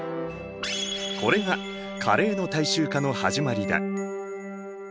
これがカレーの大衆化の始まりだ。